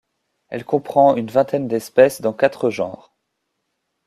Elle comprend une vingtaine d'espèces dans quatre genres.